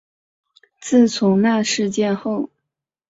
自从那事件后